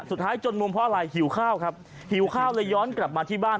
จนมุมเพราะอะไรหิวข้าวครับหิวข้าวเลยย้อนกลับมาที่บ้าน